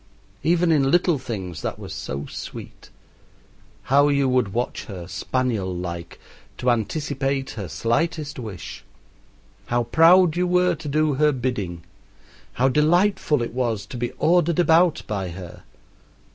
Even in little things that was so sweet. How you would watch her, spaniel like, to anticipate her slightest wish! How proud you were to do her bidding! How delightful it was to be ordered about by her!